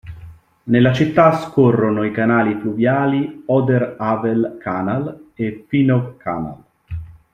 Nella città scorrono i canali fluviali Oder-Havel-Kanal e Finow-Kanal.